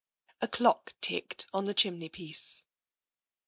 A clock ticked on the chimneypiece.